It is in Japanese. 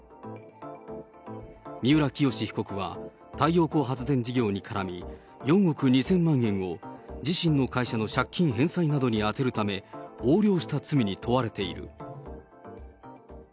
三浦清志被告は、太陽光発電事業に絡み、４億２０００万円を自身の会社の借金返済などに充てるため、横領した罪に問われている。